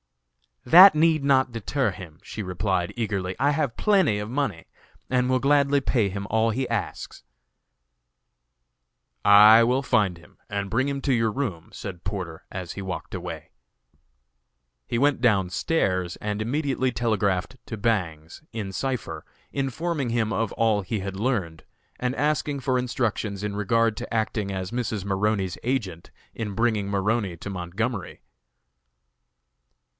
"That need not deter him," she replied, eagerly. "I have plenty of money, and will gladly pay him all he asks." "I will find him and bring him to your room," said Porter, as he walked away. He went down stairs and immediately telegraphed to Bangs, in cipher, informing him of all he had learned, and asking for instructions in regard to acting as Mrs. Maroney's agent in bringing Maroney to Montgomery.